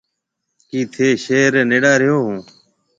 ڪِي ٿَي شهر ريَ نيڙا رهيو هون۔